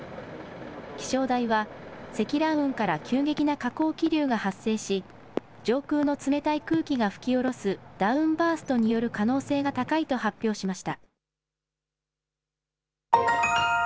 気象台は積乱雲から急激な下降気流が発生し上空の冷たい空気が吹き降ろすダウンバーストによる可能性が高いと発表しました。